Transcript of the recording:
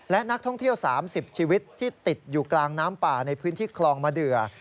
และนักท่องเที่ยว๓๐ชีวิตที่ติดอยู่กลางน้ำป่าในพื้นที่คลองมะเดือ